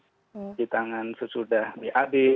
cuci tangan sesudah bab